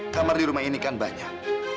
kamar di rumah ini kan banyak